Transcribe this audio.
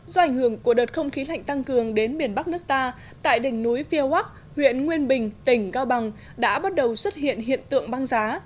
do ảnh hưởng của đợt không khí lạnh tăng cường đến miền bắc nước ta tại đỉnh núi phía wag huyện nguyên bình tỉnh cao bằng đã bắt đầu xuất hiện hiện tượng băng giá